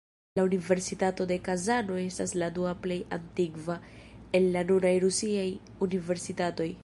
La Universitato de Kazano estas la dua plej antikva el la nunaj rusiaj universitatoj.